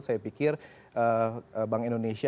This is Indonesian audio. saya pikir bank indonesia